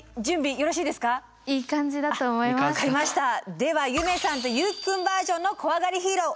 では夢さんと優樹君バージョンの「こわがりヒーロー」